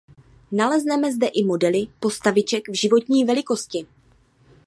Nalezneme zde i modely postaviček v životní velikosti.